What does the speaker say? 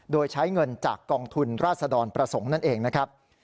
โดยใช้เงินจากกองทุนราชดรประสงค์นั่นเองนะครับ